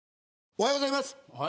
おはようございます。